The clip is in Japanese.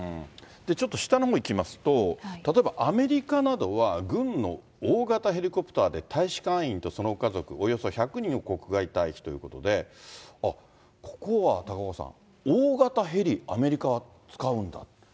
ちょっと下のほう行きますと、例えばアメリカなどは、軍の大型ヘリコプターで、大使館員とその家族およそ１００人を国外退避ということで、ここは高岡さん、大型ヘリ、アメリカは使うんだと。